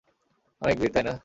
অনেক ভিড়, তাই না?